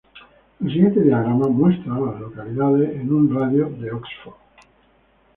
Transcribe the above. El siguiente diagrama muestra a las localidades en un radio de de Oxford.